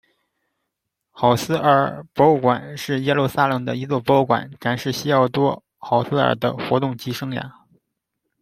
赫茨尔博物馆是耶路撒冷的一座博物馆，展示西奥多·赫茨尔的活动及生涯。